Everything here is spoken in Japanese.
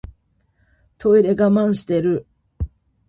トイレ我慢してる